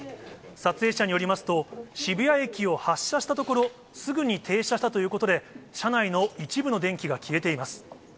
撮影者によりますと、渋谷駅を発車したところ、すぐに停車したということで、車内の一部の電気が消えています。